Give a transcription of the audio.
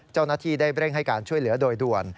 เจ้าหน้าที่ได้เร่งให้การช่วยเหลือโดยด่วน